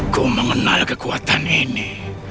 aku mengenal kekuatan ini